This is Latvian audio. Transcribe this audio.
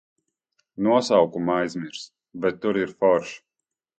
Nosaukumu aizmirsu, bet tur ir forši.